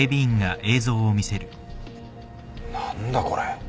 何だこれ？